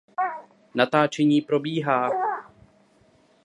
Natáčení probíhá.